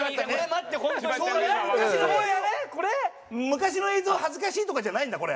昔の映像恥ずかしいとかじゃないんだこれ。